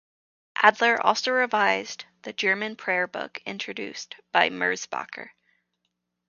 Adler also revised the German prayer book introduced by Merzbacher.